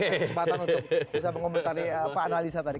nanti anda saya kasih kesempatan untuk bisa mengomentari pak analisa tadi